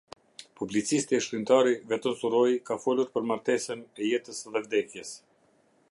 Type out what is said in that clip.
Publicisti e shkrimtari, Veton Surroi, ka folur për martesën e jetës dhe vdekjes.